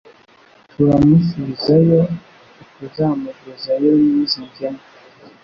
Turamusubizayo ntituzamugezayo n'izi ngemu